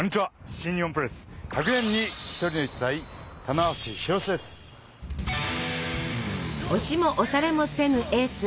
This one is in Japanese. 新日本プロレス押しも押されもせぬエース！